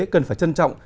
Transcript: cần phải trân trọng